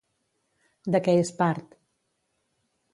De què és part?